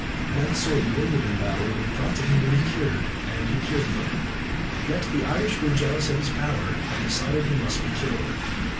Men sorely wounded in battle were brought to him to be cured, and he cured them. Yet the Irish grew jealous of his power and decided he must be killed.